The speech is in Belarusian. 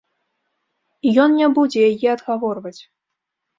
І ён не будзе яе адгаворваць.